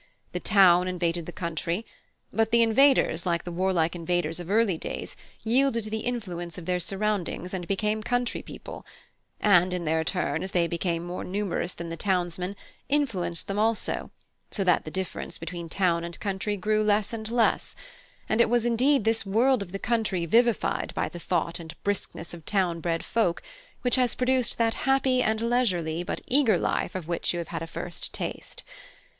The town invaded the country; but the invaders, like the warlike invaders of early days, yielded to the influence of their surroundings, and became country people; and in their turn, as they became more numerous than the townsmen, influenced them also; so that the difference between town and country grew less and less; and it was indeed this world of the country vivified by the thought and briskness of town bred folk which has produced that happy and leisurely but eager life of which you have had a first taste.